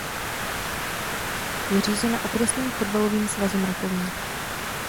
Je řízena Okresním fotbalovým svazem Rakovník.